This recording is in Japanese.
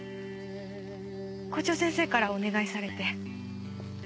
校長先生からお願いされて。